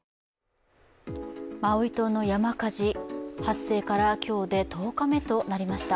マウイ島の山火事、発生から今日で１０日目となりました。